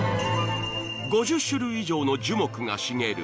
５０種類以上の樹木が茂る